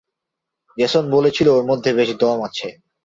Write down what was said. Jason বলেছিল ওর মধ্যে বেশ দম আছে।